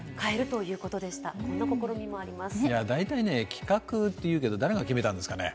規格と言うけど、誰が決めたんですかね。